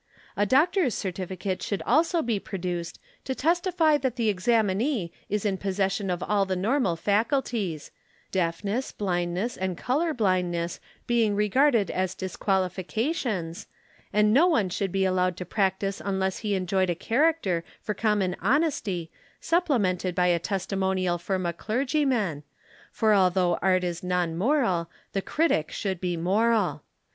A doctor's certificate should also be produced to testify that the examinee is in possession of all the normal faculties; deafness, blindness, and color blindness being regarded as disqualifications, and no one should be allowed to practise unless he enjoyed a character for common honesty supplemented by a testimonial from a clergyman, for although art is non moral the critic should be moral.